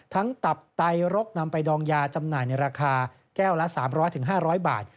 ทั้งตับไตรกนำไปดองยาจำหน่ายในราคา๓๐๐๕๐๐บาท